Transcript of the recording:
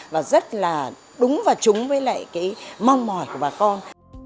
và rất là đúng và trúng với lại cái mong mỏi của bà con